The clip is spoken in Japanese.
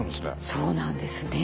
そうなんですね。